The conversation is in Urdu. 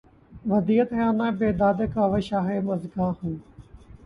ودیعت خانۂ بیدادِ کاوشہائے مژگاں ہوں